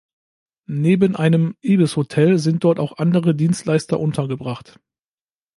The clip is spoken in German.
Neben einem "Ibis Hotel" sind dort auch andere Dienstleister untergebracht.